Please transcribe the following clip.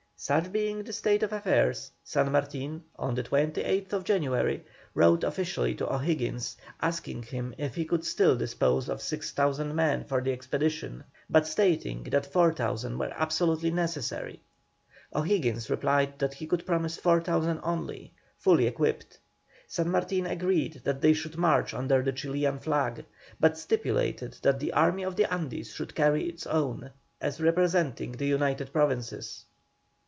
Such being the state of affairs, San Martin, on the 28th January, wrote officially to O'Higgins, asking him if he could still dispose of 6,000 men for the expedition, but stating that 4,000 were absolutely necessary. O'Higgins replied that he could promise 4,000 only, fully equipped. San Martin agreed that they should march under the Chilian flag, but stipulated that the Army of the Andes should carry its own, as representing the United Provinces.